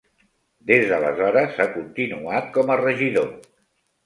Des d'aleshores ha continuat com a regidor.